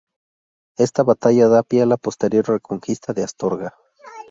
Esta batalla da pie a la posterior reconquista de Astorga.